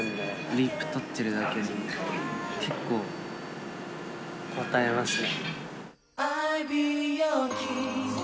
リップ撮ってるだけでも、結構、こたえますね。